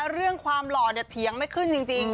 เรื่องความหล่อเถียงไม่ขึ้นจริง